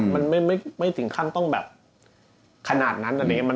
ไม่สิ่งที่น่าต้องแบบขนาดนั้นน่ะ